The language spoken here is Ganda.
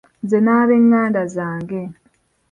Nze n'abenganda zange.